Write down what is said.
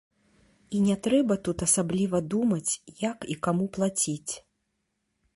І не трэба тут асабліва думаць, як і каму плаціць.